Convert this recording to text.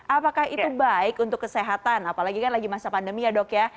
apakah itu baik untuk kesehatan apalagi kan lagi masa pandemi ya dok ya